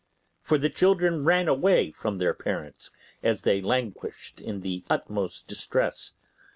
For the children ran away from their parents as they languished in the utmost distress.